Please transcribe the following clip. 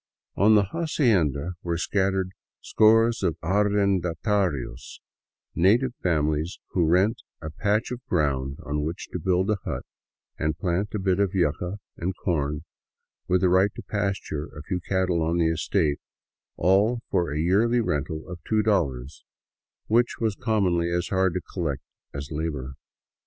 On the hacienda were a scattered score of arrendatarios, native families who rent a patch of ground on which to build a hut and plant a bit of yuca and corn, with the right to pasture a few cattle on the estate, all for a yearly rental of $2, which was commonly as hard to collect as labor.